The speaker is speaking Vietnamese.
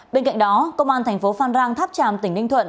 bên cạnh đó công an thành phố phan rang tháp tràm tỉnh ninh thuận